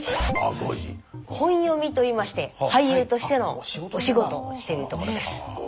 本読みといいまして俳優としてのお仕事をしているところです。